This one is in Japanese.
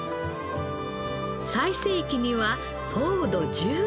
最盛期には糖度１０度。